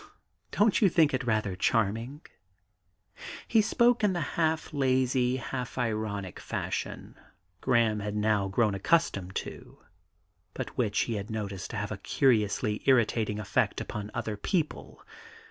Don't you think it rather charming?' He spoke in the half lazy, half ironic fashion Graham had now grown accustomed to, but which he had noticed to have a curiously irritating effect upon other people.